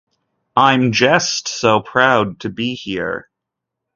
I'm jest so proud to be here!